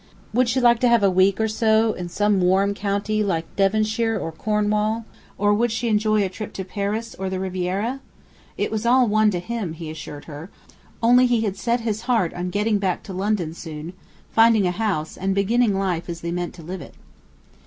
Would she like to have a week or so in some warm county like Devonshire or Cornwall, or would she enjoy a trip to Paris or the Riviera? It was all one to him, he assured her; only he had set his heart on getting back to London soon, finding a house, and beginning life as they meant to live it.